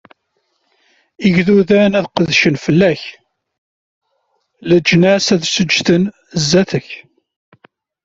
Igduden ad qedcen fell-ak, leǧnas ad seǧǧden zdat-k!